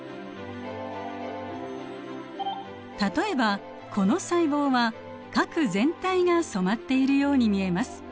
例えばこの細胞は核全体が染まっているように見えます。